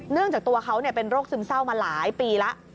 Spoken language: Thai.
จากตัวเขาเป็นโรคซึมเศร้ามาหลายปีแล้ว